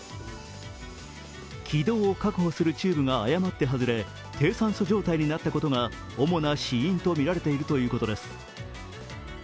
気道を確保するチューブが誤って外れ低酸素状態となったことが主な死因とみられているということです。